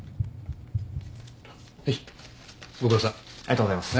ありがとうございます。